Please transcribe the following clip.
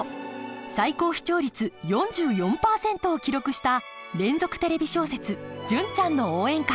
最高視聴率４４％を記録した連続テレビ小説「純ちゃんの応援歌」。